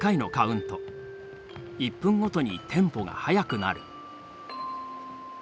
１分ごとにテンポが速くなる。